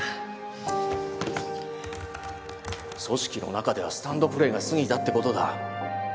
組織の中ではスタンドプレーがすぎたって事だ。